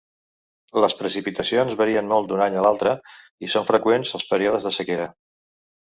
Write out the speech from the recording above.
Les precipitacions varien molt d'un any a l'altre i són freqüents els períodes de sequera.